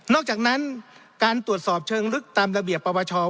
นอกจากนั้นการตรวจสอบเชิงลึกตามระเบียบประวัติศาสตร์